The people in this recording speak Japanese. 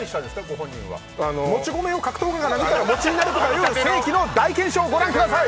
ご本人はもち米を格闘家が殴ったら餅になるとかいう世紀の大検証をご覧ください